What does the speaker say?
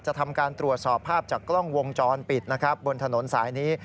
ทำการตรวจสอบภาพจากกล้องวงจรปิดนะครับบนถนนสายนี้